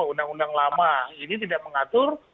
undang undang lama ini tidak mengatur